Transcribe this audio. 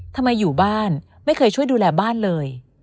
ทำไมอยู่บ้านไม่เคยช่วยดูแลบ้านเลย